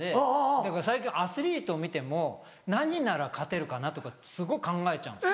だから最近アスリートを見ても何なら勝てるかなとかすごい考えちゃうんです。